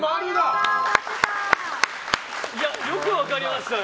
よく分かりましたね。